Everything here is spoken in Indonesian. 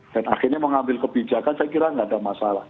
dan akhirnya mengambil kebijakan saya kira tidak ada masalah